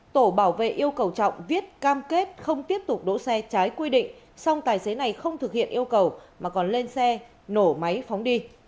tổ bảo vệ yêu cầu trọng viết cam kết không tiếp tục đỗ xe trái quy định song tài xế này không thực hiện yêu cầu mà còn lên xe nổ máy phóng đi